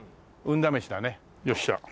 よっしゃ。